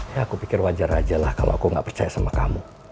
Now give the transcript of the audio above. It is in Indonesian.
ya aku pikir wajar aja lah kalau aku nggak percaya sama kamu